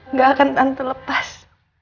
nggak akan tante lepas